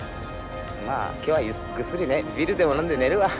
まあ今日はぐっすりねビールでも飲んで寝るわ。